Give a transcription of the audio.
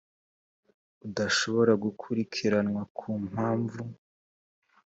adashobora gukurikiranwa ku mpamvu